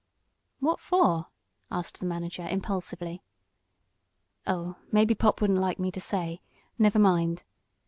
"What for?" asked the manager, impulsively. "Oh, maybe pop wouldn't like me to say. Never mind.